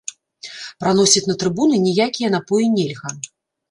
Праносіць на трыбуны ніякія напоі нельга.